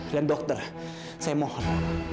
dan dokter saya mohon